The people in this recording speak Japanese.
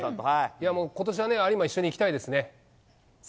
いやもう、ことしは有馬一緒に行きたいですね。